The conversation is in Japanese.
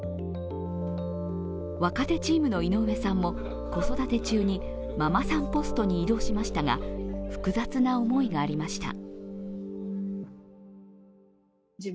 若手チームの井上さんも子育て中にママさんポストに異動しましたが複雑な思いがありました。